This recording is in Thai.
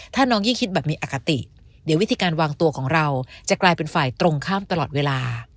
ถ้าน้องยิ่งคิดแบบมีอคติเดี๋ยววิธีการวางตัวของเราจะกลายเป็นฝ่ายตรงข้ามตลอดเวลา